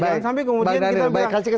jangan sampai kemudian kita bilang